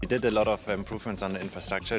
kita telah melakukan banyak perbaikan di infrastruktur